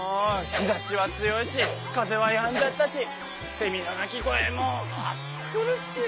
日ざしは強いし風はやんじゃったしせみの鳴き声も暑苦しい！